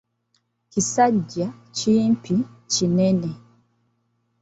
Kisajja kimpimpi kinene.